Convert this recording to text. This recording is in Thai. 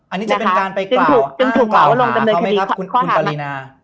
อันนี้จะเป็นการไปกล่าวหา